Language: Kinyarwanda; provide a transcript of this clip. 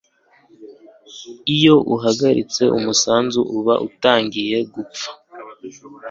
iyo uhagaritse gutanga umusanzu, uba utangiye gupfa